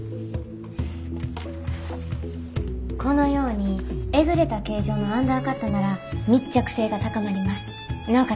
このようにえぐれた形状のアンダーカットなら密着性が高まります。